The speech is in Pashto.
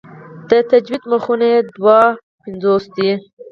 د تجوید مخونه یې دوه پنځوس دي.